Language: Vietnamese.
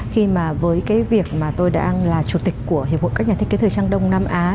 khi mà với cái việc mà tôi đang là chủ tịch của hiệp hội các nhà thiết kế thời trang đông nam á